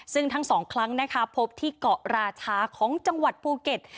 ซึ่งทั้งสองครั้งนะคะพบที่เกาะราชาของจังหวัดภูเก็ต